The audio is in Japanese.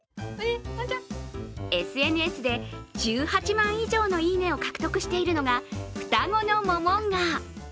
ＳＮＳで１８万以上のいいねを獲得しているのが双子のモモンガ。